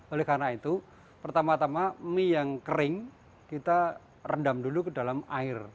oleh karena itu pertama tama mie yang kering kita rendam dulu ke dalam air